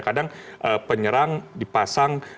kadang penyerang dipasang